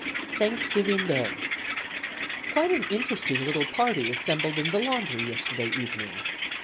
"Thanksgiving Day. Quite an interesting little party assembled in the laundry yesterday evening.